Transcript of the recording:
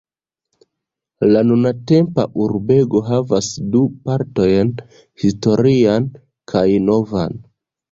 La nuntempa urbego havas du partojn: historian kaj novan.